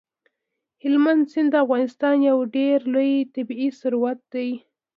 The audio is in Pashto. هلمند سیند د افغانستان یو ډېر لوی طبعي ثروت دی.